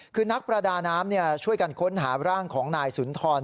คือนักประดาน้ำช่วยกันค้นหาร่างของนายสุนทร